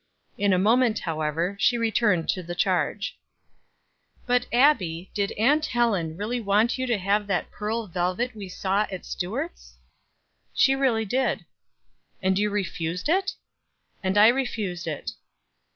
In a moment, however, she returned to the charge. "But, Abbie, did Aunt Helen really want you to have that pearl velvet we saw at Stewart's?" "She really did." "And you refused it?" "And I refused it."